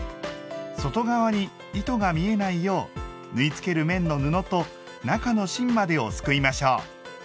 外側に糸が見えないよう縫いつける面の布と中の芯までをすくいましょう。